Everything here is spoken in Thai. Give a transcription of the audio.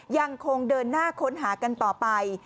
ยังคงเดินหน้าค้นหากันต่อไป